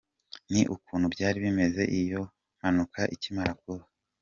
Ni uku byari bimeze iyo mpanuka ikimara kuba.